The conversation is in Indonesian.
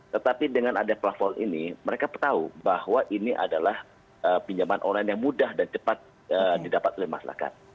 tetapi dengan ada platform ini mereka tahu bahwa ini adalah pinjaman online yang mudah dan cepat didapat oleh masyarakat